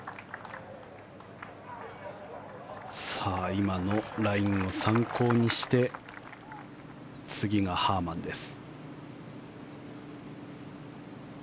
今のラインを参考にして次がハーマンです。